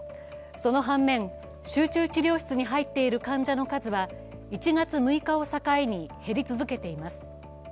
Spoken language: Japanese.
その反面、集中治療室に入っている患者の数は１月６日を境に減り続けています。